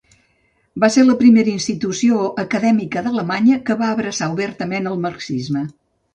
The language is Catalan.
Va ser la primera institució acadèmica d'Alemanya que va abraçar obertament el marxisme.